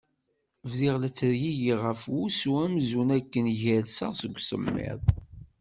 Bdiɣ la ttergigiɣ ɣef wusu amzun akken gerseɣ seg usemmiḍ.